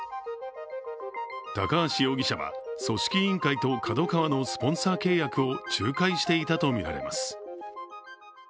高橋容疑者は組織委員会とＫＡＤＯＫＡＷＡのスポンサー契約を仲介していたとみられます。